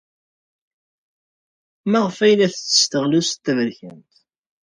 Maɣef ay la tettess taɣlust taberkant?